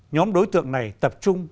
nhóm đối tượng này tập trung